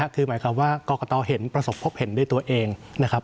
คือหมายความว่ากรกตเห็นประสบพบเห็นด้วยตัวเองนะครับ